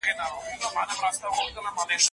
تر څو هغوی خپلې ستونزې تاسو ته ووایي.